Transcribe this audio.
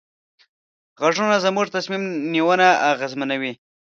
غږونه زموږ تصمیم نیونه اغېزمنوي.